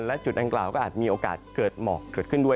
และจุดอังกล่าวก็อาจมีโอกาสเกิดหมอกเกิดขึ้นด้วย